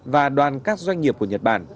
và đoàn các doanh nghiệp của nhật bản